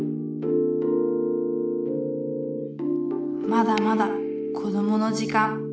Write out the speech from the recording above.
まだまだ子どもの時間。